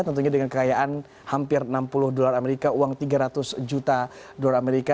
tentunya dengan kekayaan hampir enam puluh dolar amerika uang tiga ratus juta dolar amerika